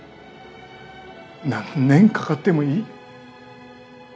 何年かかってもいい。